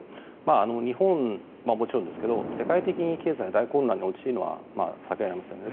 日本はもちろんですが世界的に経済が大混乱に陥るのは避けられませんね。